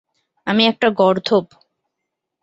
আমি একটা গর্দভ।